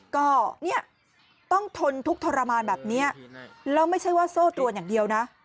ก็เนี่ยต้องทนทุกข์ทรมานแบบนี้แล้วไม่ใช่ว่าโซ่ตรวนอย่างเดียวนะ